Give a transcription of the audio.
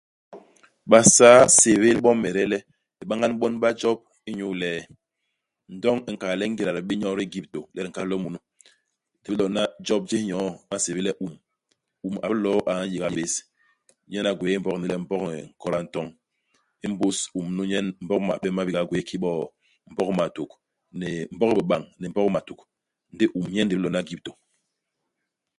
Basaa ba nsébél bomede le ibañan-bon-ba-Job inyu le, ndoñ i nkal le, ingéda di bé nyodi i Egyptô le di nkahal lo munu, di bilona job jés nyoo, ba nsébél le Um. Um a bilo a n'yéga bés. Nyen a gwéé iMbog ini le Mbog nn nkoda u ntoñ. I mbus i Um nu nyen maMbog mape ma biyiga gwéé kiki bo Mbog Matuk, ni Mbog Bibañ, ni Mbog Matuk. Ndi Um nyen di bilona i Egyptô.